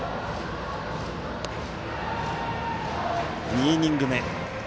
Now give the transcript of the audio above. ２イニング目。